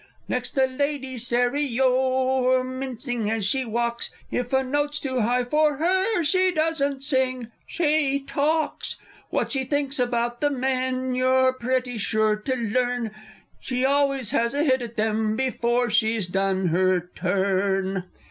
Next the Lady Serio, Mincing as she walks; If a note's too high for her, She doesn't sing she talks, What she thinks about the men You're pretty sure to learn, She always has a hit at them, Before she's done her "turn!"